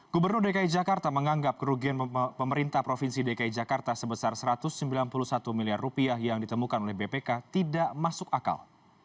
gubernur dki jakarta menganggap kerugian pemerintah provinsi dki jakarta sebesar rp satu ratus sembilan puluh satu miliar yang ditemukan oleh bpk tidak masuk akal